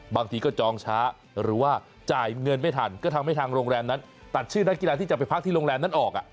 บางทีก็จองช้าหรือว่าจ่ายเงินไม่ทันก็ทำให้ทางโรงแรมนั้นตัดชื่อนักกีฬาที่จะไปพักที่โรงแรมนั้นออก